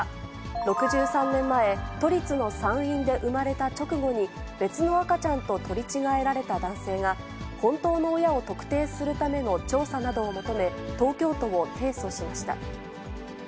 ６３年前、都立の産院で産まれた直後に、別の赤ちゃんと取り違えられた男性が、本当の親を特定するための調査などを求め、東京都を提訴しました。